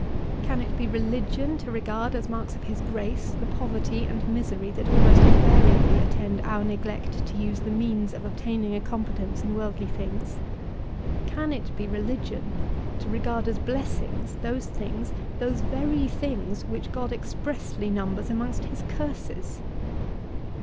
Can it be religion to regard, as marks of his grace, the poverty and misery that almost invariably attend our neglect to use the means of obtaining a competence in worldly things? Can it be religion to regard as blessings those things, those very things, which God expressly numbers amongst his curses?